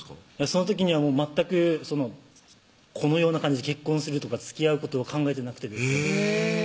その時には全くこのような感じで結婚するとかつきあうことを考えてなくてですね